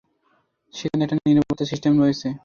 সেখানে একটি নিরাপত্তা সিস্টেম রয়েছে।